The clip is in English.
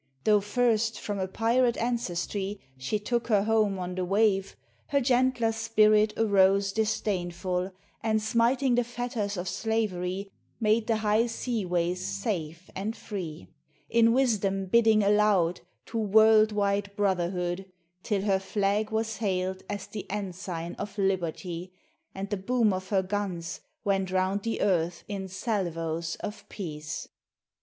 Though first from a pirate ancestry She took her home on the wave, Her gentler spirit arose disdainful, And smiting the fetters of slavery Made the high seaways safe and free, In wisdom bidding aloud To world wide brotherhood, Till her flag was hail'd as the ensign of Liberty, And the boom of her guns went round the earth in salvos of peace.